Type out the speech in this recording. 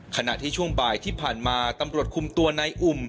ขณะที่ช่วงบ่ายที่ผ่านมาตำรวจคุมตัวนายอุ่ม